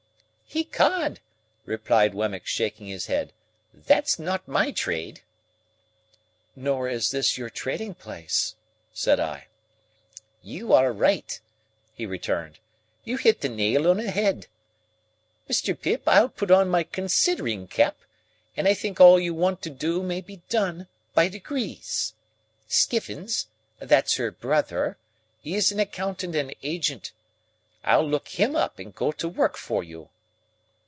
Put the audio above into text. "Ecod," replied Wemmick, shaking his head, "that's not my trade." "Nor is this your trading place," said I. "You are right," he returned. "You hit the nail on the head. Mr. Pip, I'll put on my considering cap, and I think all you want to do may be done by degrees. Skiffins (that's her brother) is an accountant and agent. I'll look him up and go to work for you."